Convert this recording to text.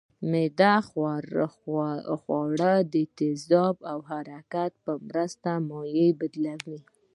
معده خواړه د تیزابو او حرکت په مرسته په مایع بدلوي